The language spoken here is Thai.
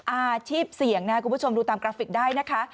อาชีพเสี่ยงนะคุณผู้ชมดูตามกราฟิกได้นะคะ